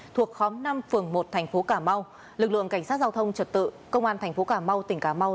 thuộc khóm năm phường một thành phố cà mau lực lượng cảnh sát giao thông trật tự công an thành phố cà mau tỉnh cà mau